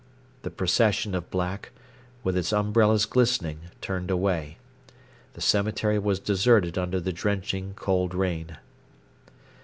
The procession of black, with its umbrellas glistening, turned away. The cemetery was deserted under the drenching cold rain.